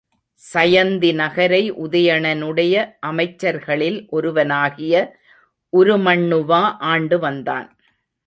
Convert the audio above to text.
சயந்தி நகரை உதயணனுடைய அமைச்சர்களில் ஒருவனாகிய உருமண்ணுவா ஆண்டு வந்தான்.